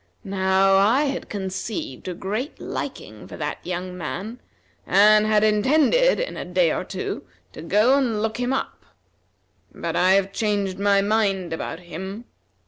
Now, I had conceived a great liking for that young man, and had intended, in a day or two, to go and look him up. But I have changed my mind about him.